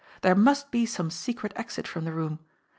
There must be some secret exit from the room.